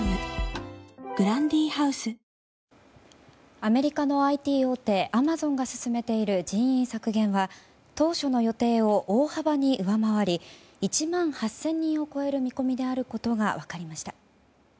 アメリカのＩＴ大手アマゾンが進めている人員削減は当初の予定を大幅に上回り１万８０００人を超える見込みであることが分かりました。